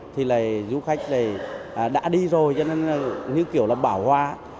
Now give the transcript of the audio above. thì dù khách đã đi rồi cho nên như kiểu là bảo hoa